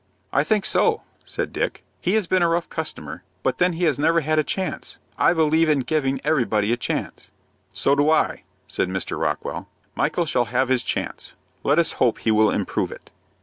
"I think so," said Dick. "He has been a rough customer, but then he has never had a chance. I believe in giving everybody a chance." "So do I," said Mr. Rockwell. "Michael shall have his chance. Let us hope he will improve it."